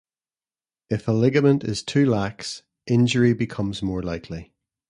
If a ligament is too lax, injury becomes more likely.